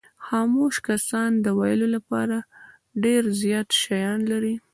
خاموش کسان د ویلو لپاره ډېر زیات شیان لري.